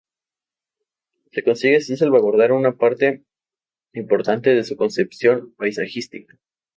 Se consigue así salvaguardar una parte importante de su concepción paisajística.